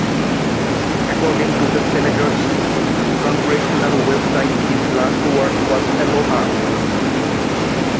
According to the senator's Congressional web site, his last word was "Aloha".